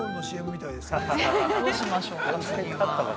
◆どうしましょうか、次は。